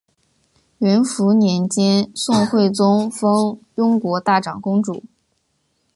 元符年间宋徽宗封雍国大长公主。